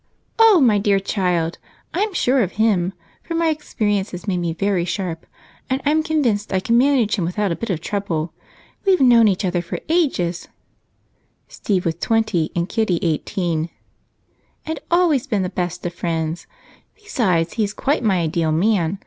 "Oh, my dear child, I'm sure of him, for my experience has made me very sharp and I'm convinced I can manage him without a bit of trouble. We've known each other for ages" Steve was twenty and Kitty eighteen "and always been the best of friends. Besides, he is quite my ideal man.